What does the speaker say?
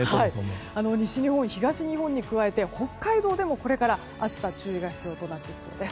西日本、東日本に加えて北海道でも、これから暑さ注意が必要となってきそうです。